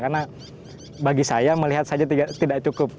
karena bagi saya melihat saja tidak cukup